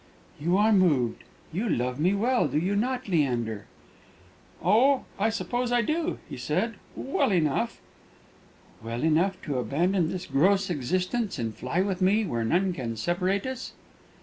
"You are moved. You love me well, do you not, Leander?" "Oh! I suppose I do," he said "well enough." "Well enough to abandon this gross existence, and fly with me where none can separate us?"